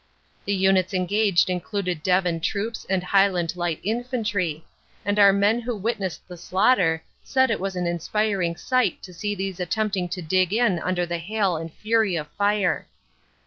The Units engaged included Devon troops and Highland Light Infantry, and our men who witnessed the slaughter said it was an inspir ing sight to see these attempting to dig in under the hail and fury of fire.